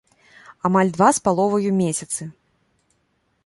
Амаль два з паловаю месяцы.